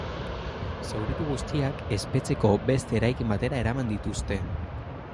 Zauritu guztiak espetxeko beste eraikin batera eraman dituzte.